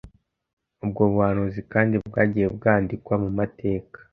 Ubwo buhanuzi kandi bwagiye bwandikwa mu mateka